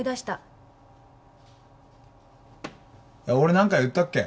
俺何か言ったっけ？